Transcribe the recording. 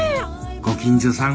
ご近所さん